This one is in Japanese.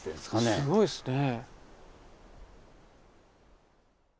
すごいですねぇ。